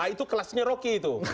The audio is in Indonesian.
itu kelasnya rocky itu